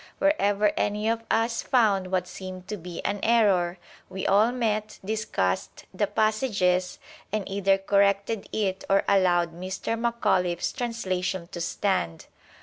Wherever any of us found what seemed to be an error, we all met, discussed the passages, and either corrected it or allowed Mr. Macauliffe s translation to stand.